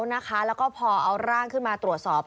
แล้วก็พอเอาร่างขึ้นมาตรวจสอบ